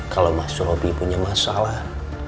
kalau mas roby punya masalah